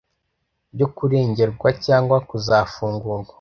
byo kurengerwa cyangwa kuzafungurwa